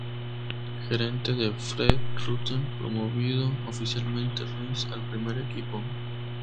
Gerente de Fred Rutten promovido oficialmente Reis al primer equipo.